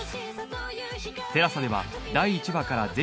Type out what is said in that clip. ＴＥＬＡＳＡ では第１話から全話配信中